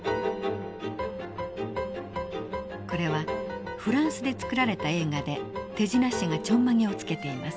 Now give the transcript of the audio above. これはフランスで作られた映画で手品師がちょんまげをつけています。